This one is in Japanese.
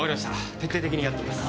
徹底的にやってみます。